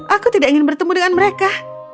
aku tidak ingin bertemu dengan mereka